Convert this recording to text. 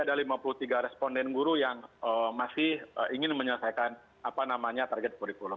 ada lima puluh tiga responden guru yang masih ingin menyelesaikan target kurikulum